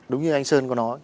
đúng như anh sơn có nói